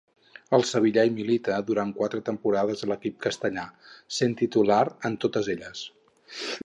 El sevillà hi milita durant quatre temporades a l'equip castellà, sent titular en totes elles.